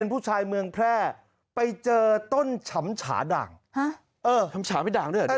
ผู้ชายเมืองแพร่ไปเจอต้นฉำฉาด่างเออชำฉาไม่ด่างด้วยเหรอ